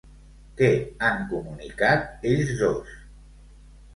Què han comunicat ells dos?